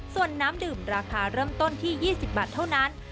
ส่วนน้ำดื่มราคาเริ่มต้นที่๒๐บาทเท่านั้น